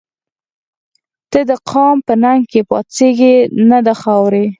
نه دقام په ننګ پا څيږي نه دخاوري